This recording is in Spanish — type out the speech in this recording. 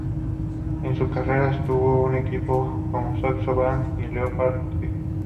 En su carrera estuvo en equipos como Saxo Bank y Leopard-Trek.